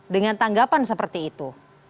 dengan tanggapan seperti itu